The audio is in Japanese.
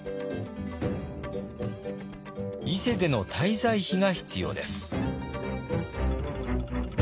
伊勢での滞在費が必要です。